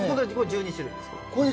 これ１２種類ですから。